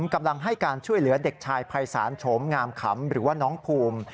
กำลังให้การช่วยเหลือเด็กชายภัยศาลโฉมงามขำหรือว่าน้องภูมิ